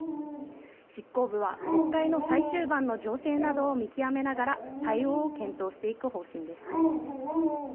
執行部は国会の最終盤の情勢などを見極めながら対応を検討していく方針です。